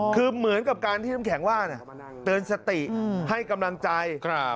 คือเหมือนกับการที่น้ำแข็งว่าเตือนสติให้กำลังใจ